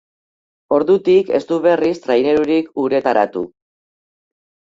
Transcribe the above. Ordutik ez du berriz trainerurik uretaratu.